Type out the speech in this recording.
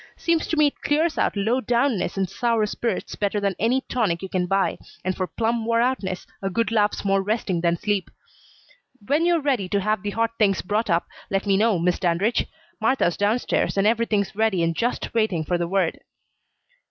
Seems to me it clears out low downness and sour spirits better than any tonic you can buy, and for plum wore outness a good laugh's more resting than sleep. When you're ready to have the hot things brought up, let me know, Miss Dandridge. Martha's down stairs and everything's ready and just waiting for the word."